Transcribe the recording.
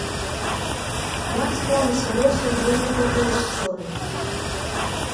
Як склаліся лёсы ўдзельнікаў той гісторыі?